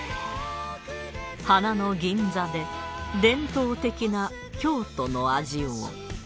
花の銀座で伝統的な京都の味を